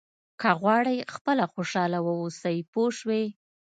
که غواړئ خپله خوشاله واوسئ پوه شوې!.